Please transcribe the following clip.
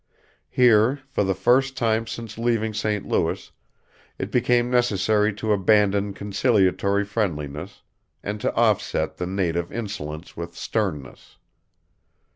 Here, for the first time since leaving St. Louis, it became necessary to abandon conciliatory friendliness, and to offset the native insolence with sternness.